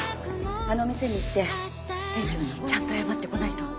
あの店に行って店長にちゃんと謝ってこないと。